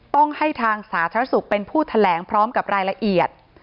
ต้องให้ทางสาธารณสุขเป็นผู้แถลงพร้อมกับรายละเอียด